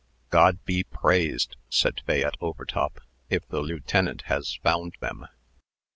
"God be praised," said Fayette Overtop, "if the lieutenant has found them."